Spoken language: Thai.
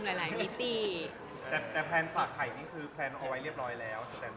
แต่แพลนฝากไข่นี่คือแพลนเอาไว้เรียบร้อยแล้ว